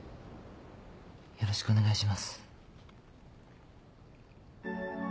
よろしくお願いします。